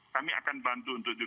kami akan bantu untuk juga